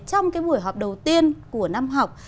trong cái buổi họp đầu tiên của năm học